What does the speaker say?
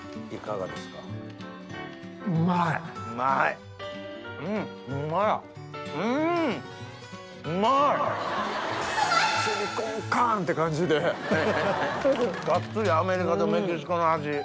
がっつりアメリカとメキシコの味。